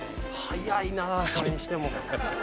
早いなそれにしても。